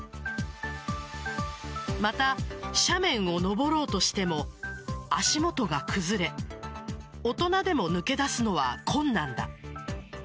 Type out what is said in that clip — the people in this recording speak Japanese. また、斜面を上ろうとしても足元が崩れ大人でも抜け出すのは困難だ。